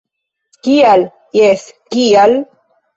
Kial? - Jes, kial?